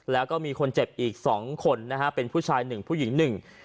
แล้วก็มีคนเจ็บอีก๒คนนะฮะเป็นผู้ชาย๑ผู้หญิง๑